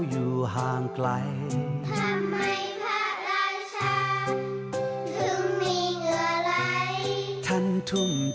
ก็อยากรอจอดรับอยู่ที่นี่